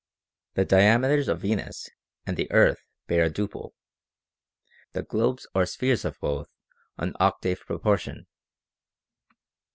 The diameters of Venus and the earth bear a duple, the globes or spheres of both an octave proportion.